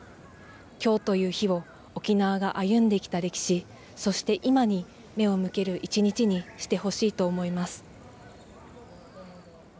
きょうという日を、沖縄が歩んできた歴史、そして今に目を向ける一日にしてほしいと思います。